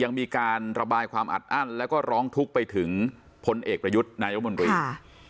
ยังมีการระบายความอัดอั้นแล้วก็ร้องทุกข์ไปถึงพลเอกประยุทธ์นายมนตรีค่ะ